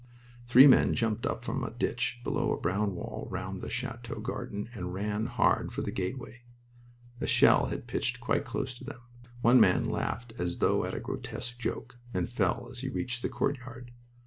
Three men jumped up from a ditch below a brown wall round the chateau garden and ran hard for the gateway. A shell had pitched quite close to them. One man laughed as though at a grotesque joke, and fell as he reached the courtyard.